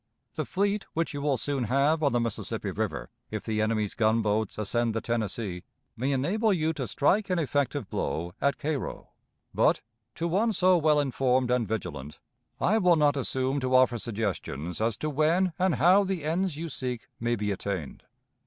The fleet which you will soon have on the Mississippi River, if the enemy's gunboats ascend the Tennessee, may enable you to strike an effective blow at Cairo; but, to one so well informed and vigilant, I will not assume to offer suggestions as to when and how the ends you seek may be attained.